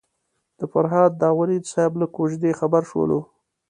د فرهاد داوري صاحب له کوژدې خبر شولو.